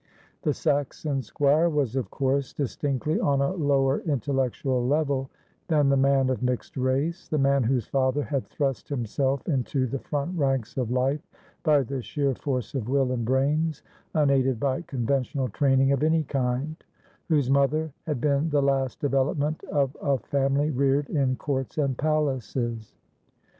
The Saxon squire was of course distinctly on a lower intellec tual level than the man of mixed race — the man whose father had thrust himself into the front ranks of life by the sheer force of will and brains, unaided by conventional training of any kind ; whose mother had been the last development of a family reared in courts and palaces.